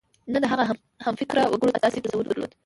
نه د هغه همفکره وګړو داسې تصور درلود.